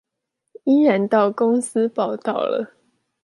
依然到公司報到了